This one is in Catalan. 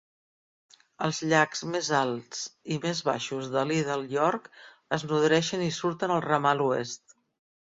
Els llacs més alts i més baixos de Little York es nodreixen i surten al ramal oest.